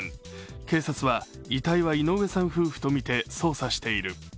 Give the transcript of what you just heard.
警察は遺体は井上さん夫婦とみて捜査している。